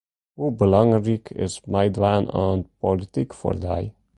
Hoe belangryk is meidwaan oan polityk foar dy?